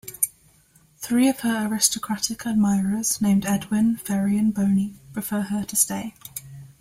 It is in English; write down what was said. Three of her aristocratic admirers, named Edwin, Feri and Boni, prefer her to stay.